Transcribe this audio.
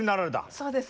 そうです。